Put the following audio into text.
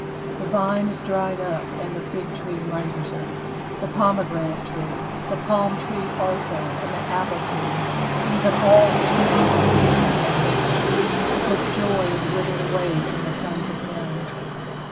12The vine is dried up, and the fig tree languisheth; the pomegranate tree, the palm tree also, and the apple tree, even all the trees of the field, are withered: because joy is withered away from the sons of men.